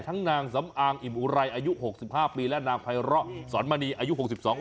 ทั้งนางสำอางอิมอุไรอายุหกสิบห้าปีและนางไพร่สอนมณีอายุหกสิบสอง